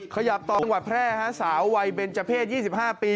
ขยับต่อวัดแพร่สาววัยเป็นเจ้าเพศ๒๕ปี